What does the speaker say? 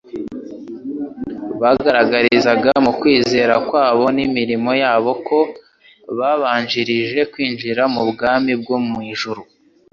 bagaragarizaga mu kwizera kwabo n'imirimo yabo ko babanjirije kwinjira mu bwami bwo mu ijuru